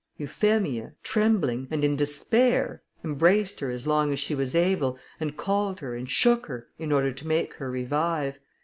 Euphemia, trembling, and in despair, embraced her as long as she was able, and called her, and shook her, in order to make her revive.